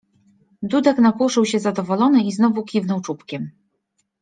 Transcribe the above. Dudek napuszył się zadowolony i znowu kiwnął czubkiem.